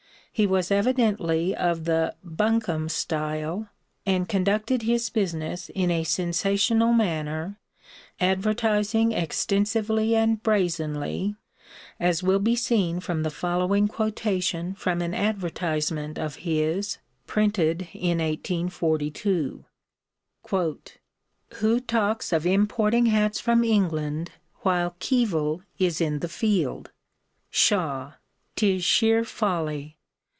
He was evidently of the "buncombe" style, and conducted his business in a sensational manner, advertising extensively and brazenly, as will be seen from the following quotation from an advertisement of his printed in 1842: "Who talks of importing hats from England while Keevil is in the field? Pshaw! 'Tis sheer folly.